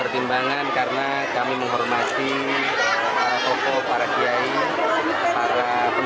pertimbangan karena kami menghormati para pokok para kiai